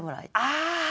ああ！